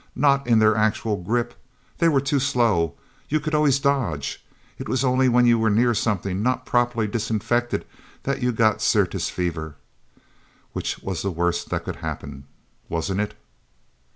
Not in their actual grip! They were too slow you could always dodge! It was only when you were near something not properly disinfected that you got Syrtis Fever, which was the worst that could happen wasn't it...?